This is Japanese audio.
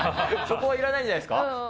そこは、いらないんじゃないですか。